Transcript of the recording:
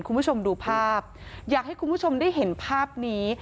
คุณผู้ชมดูภาพอยากให้คุณผู้ชมได้เห็นภาพนี้